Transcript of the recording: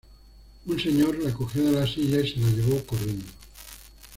Un señor la cogió de la silla y se la llevó corriendo.